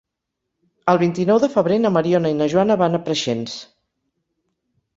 El vint-i-nou de febrer na Mariona i na Joana van a Preixens.